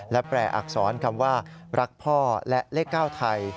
และแปลอักษรคำว่ารักพ่อและเลข๙ไทย